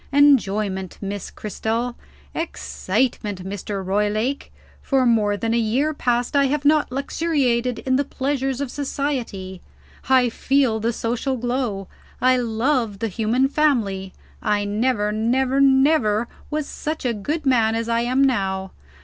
Enjoyment, Miss Cristel. Excitement, Mr. Roylake. For more than a year past, I have not luxuriated in the pleasures of society. I feel the social glow; I love the human family; I never, never, never was such a good man as I am now.